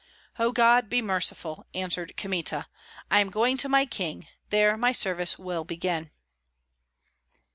"O God, be merciful!" answered Kmita. "I am going to my king; there my service will begin."